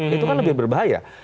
itu kan lebih berbahaya